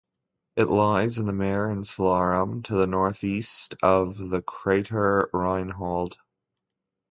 It lies in the Mare Insularum, to the northeast of the crater Reinhold.